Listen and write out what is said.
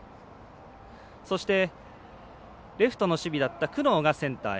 そして、レフトの守備だった久納がセンターへ。